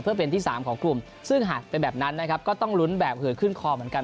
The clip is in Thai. เพื่อเป็นที่สามของกลุ่มซึ่งหากเป็นแบบนั้นนะครับก็ต้องลุ้นแบบเหอขึ้นคอเหมือนกัน